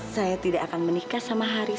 saya tidak akan menikah sama ibu tini